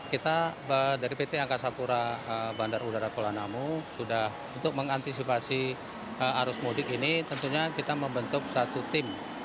kita dari pt angkasapura bandara udara kuala namu sudah untuk mengantisipasi arus modik ini tentunya kita membentuk satu tim